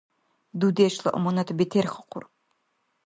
Дудешла аманат бетерхахъур